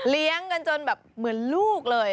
เลี้ยงกันจนแบบเหมือนลูกเลย